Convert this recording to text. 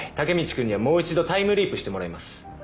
君にはもう一度タイムリープしてもらいます。